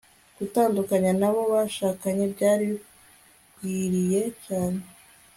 gutandukana n'abo bashakanye byari bigwiriye cyane